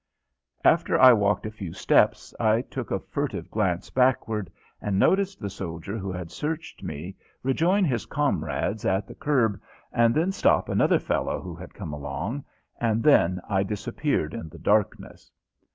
After I walked a few steps I took a furtive glance backward and noticed the soldier who had searched me rejoin his comrades at the curb and then stop another fellow who had come along, and then I disappeared in the darkness.